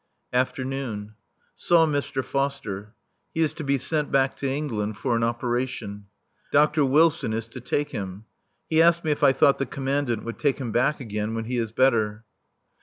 [Afternoon.] Saw Mr. Foster. He is to be sent back to England for an operation. Dr. Wilson is to take him. He asked me if I thought the Commandant would take him back again when he is better.